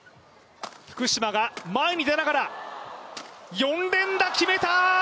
福島が前に出ながら４連打、決めた！